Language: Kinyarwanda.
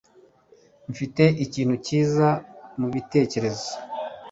mfite ikintu cyiza mubitekerezo